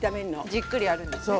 じっくりやるんですね。